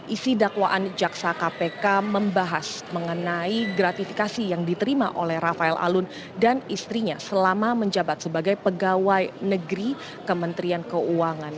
isi dakwaan jaksa kpk membahas mengenai gratifikasi yang diterima oleh rafael alun dan istrinya selama menjabat sebagai pegawai negeri kementerian keuangan